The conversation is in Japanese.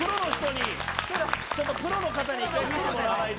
プロの方に１回見せてもらわないと。